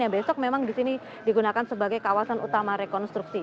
yang besok memang disini digunakan sebagai kawasan utama rekonstruksi